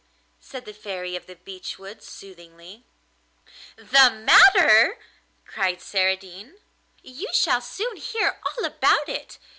said the Fairy of the Beech Woods soothingly. 'The matter!' cried Saradine. 'You shall soon hear all about it.